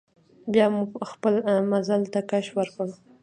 بیا مو خپل مزل ته کش ورکړ.